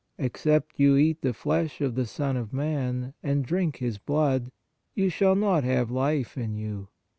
" Except you eat the flesh of the Son of Man, and drink His blood, you shall not have life in you.